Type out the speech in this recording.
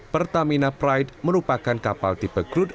pertamina pride merupakan kapal tipe kelas dunia